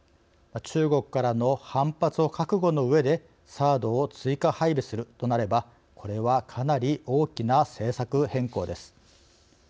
中国からの反発を覚悟のうえでＴＨＡＡＤを追加配備するとなればこれはかなり大きな政策変更です。